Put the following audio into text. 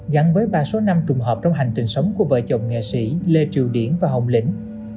gắn với ba số năm trùng hợp trong hành trình sống của vợ chồng nghệ sĩ lê triều điển và hồng lĩnh